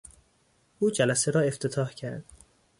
او جلسه را افتتاح کرد.